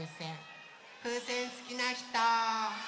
ふうせんすきなひと？